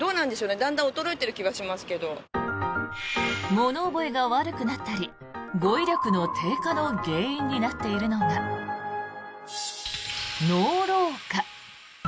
物覚えが悪くなったり語い力の低下の原因になっているのが脳老化。